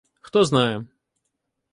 Хто знає.